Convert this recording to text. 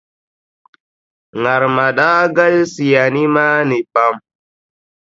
Ŋarima daa galisiya nimaani pam.